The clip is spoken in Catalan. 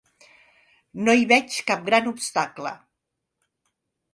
No hi veig cap gran obstacle